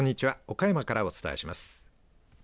岡山からお伝えします。